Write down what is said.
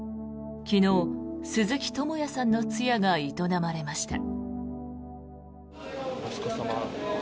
昨日、鈴木智也さんの通夜が営まれました。